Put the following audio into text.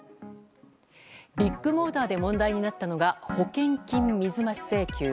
ビッグモーターで問題になったのが保険金水増し請求。